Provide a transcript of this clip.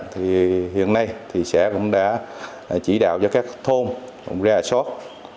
thì hiện nay xã cũng đã chỉ đạo cho các thôn ra xót